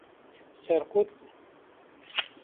Serqot bû.